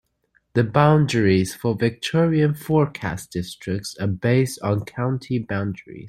The boundaries for Victorian forecast districts are based on county boundaries.